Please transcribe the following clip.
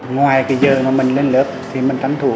ngoài giờ mình lên lớp mình tránh thủ